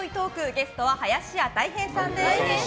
ゲストは林家たい平さんです。